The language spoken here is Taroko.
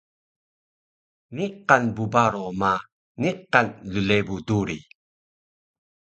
Niqan bbaro ma niqan llebu duri